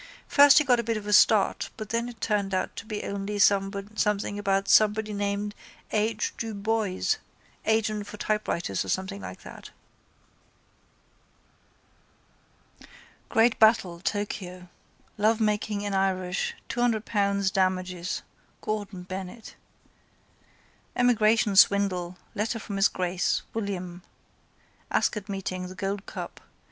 First he got a bit of a start but it turned out to be only something about somebody named H. du Boyes, agent for typewriters or something like that. Great battle, Tokio. Lovemaking in Irish, £ 200 damages. Gordon Bennett. Emigration Swindle. Letter from His Grace. William ✠. Ascot meeting, the Gold Cup.